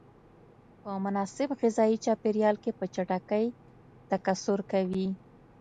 په مناسب غذایي چاپیریال کې په چټکۍ تکثر کوي.